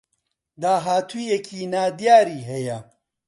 داهاتوویێکی نادیاری هەیە